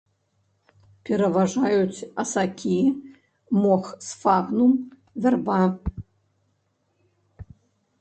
Пераважаюць асакі, мох сфагнум, вярба.